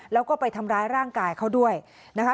แล้วก็ไปทำร้ายร่างกายเขาด้วยนะคะ